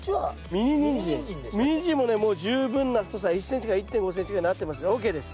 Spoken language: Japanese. ミニニンジンもねもう十分な太さ１ｃｍから１．５ｃｍぐらいになってますからＯＫです。